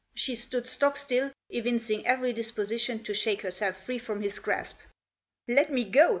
She stood stock still, evincing every disposition to shake herself free from his grasp. " Let me go